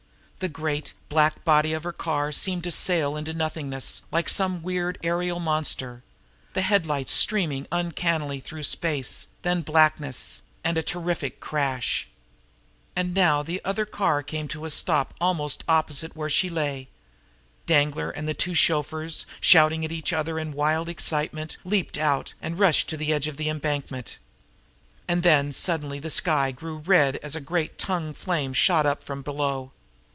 The great, black body of her car seemed to sail out into nothingness like some weird aerial monster, the headlights streaming uncannily through space then blackness and a terrific crash. And now the other car had come to a stop almost opposite where she lay. Danglar and the two chauffeurs, shouting at each other in wild excitement, leaped out and rushed to the edge of the embankment. And then suddenly the sky grew red as a great tongue flame shot up from below.